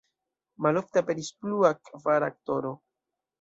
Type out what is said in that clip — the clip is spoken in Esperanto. Malofte aperis plua, kvara aktoro.